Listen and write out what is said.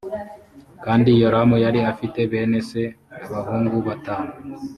kandi yoramu yari afite bene se abahungu batanu